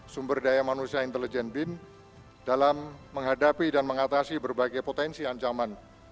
sumber daya manusia intelijen bin dalam menghadapi dan mengatasi berbagai potensi ancaman